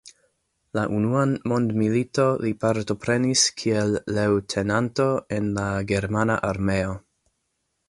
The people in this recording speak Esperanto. La Unuan Mondmiliton li partoprenis kiel leŭtenanto en la germana armeo.